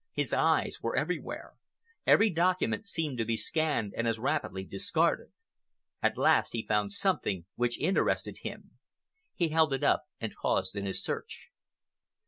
His eyes were everywhere. Every document seemed to be scanned and as rapidly discarded. At last he found something which interested him. He held it up and paused in his search.